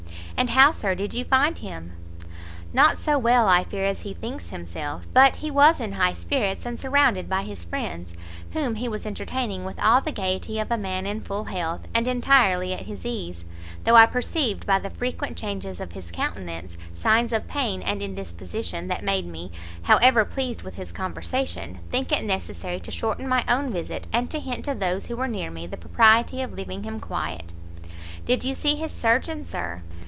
"And how, Sir, did you find him?" "Not so well, I fear, as he thinks himself; but he was in high spirits, and surrounded by his friends, whom he was entertaining with all the gaiety of a man in full health, and entirely at his ease; though I perceived, by the frequent changes of his countenance, signs of pain and indisposition, that made me, however pleased with his conversation, think it necessary to shorten my own visit, and to hint to those who were near me the propriety of leaving him quiet." "Did you see his surgeon, Sir?"